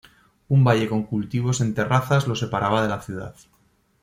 Un valle con cultivos en terrazas lo separaba de la ciudad.